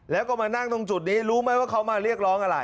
แล้วก็มานั่งตรงจุดนี้รู้ไหมว่าเขามาเรียกร้องอะไร